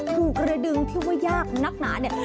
กระดึงที่ว่ายากนักหนาเนี่ย